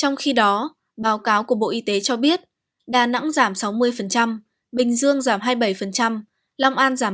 trong khi đó báo cáo của bộ y tế cho biết đà nẵng giảm sáu mươi bình dương giảm hai mươi bảy long an giảm